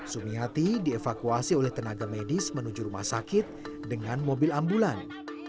sumiati dievakuasi oleh tenaga medis menuju rumah sakit dengan mobil ambulan